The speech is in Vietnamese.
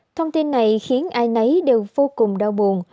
thông tin này khiến ai nấy đều vô cùng đau buồn